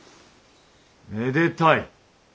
めでたい。